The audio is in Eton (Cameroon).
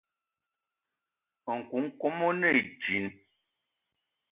Nkoukouma one djinn.